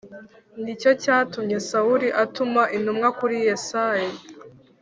Ni cyo cyatumye Sawuli atuma intumwa kuri Yesayi